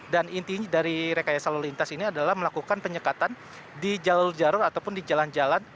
dan intinya dari rekayasa lalu lintas ini adalah melakukan penyekatan di jalur jalur ataupun di jalan jalan